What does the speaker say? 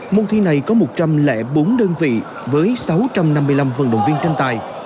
môn thi này có một trăm linh bốn đơn vị với sáu trăm năm mươi năm vận động viên tranh tài